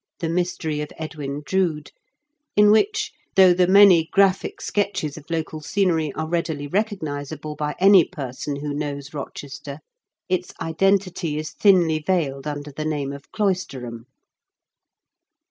The Mystery of Edwin Drood, in which, though the many graphic sketches of local scenery are readily recognisable by any person who knows Kochester, its identity is ; thinly veiled under the name of Cloisterham.